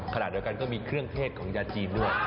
ขณะเดียวกันก็มีเครื่องเทศของยาจีนด้วย